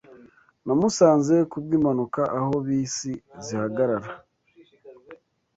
Namusanze kubwimpanuka aho bisi zihagarara.